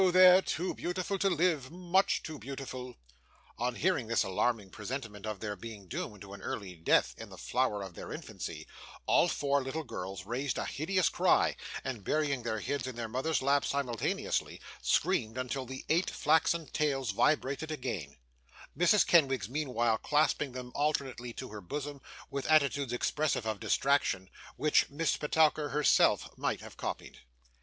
they're too beautiful to live, much too beautiful!' On hearing this alarming presentiment of their being doomed to an early death in the flower of their infancy, all four little girls raised a hideous cry, and burying their heads in their mother's lap simultaneously, screamed until the eight flaxen tails vibrated again; Mrs. Kenwigs meanwhile clasping them alternately to her bosom, with attitudes expressive of distraction, which Miss Petowker herself might have copied.